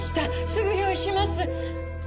すぐ用意します！